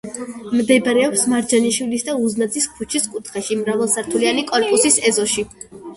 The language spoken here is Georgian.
მდებარეობს მარჯანიშვილის და უზნაძის ქუჩის კუთხეში, მაღალსართულიანი კორპუსის ეზოში.